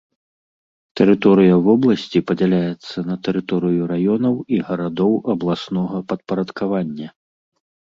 Тэрыторыя вобласці падзяляецца на тэрыторыю раёнаў і гарадоў абласнога падпарадкавання.